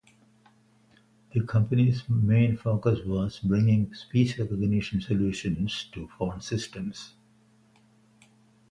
The company's main focus was bringing speech recognition solutions to phone systems.